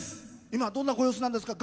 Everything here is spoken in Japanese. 今どんなご様子なんですか？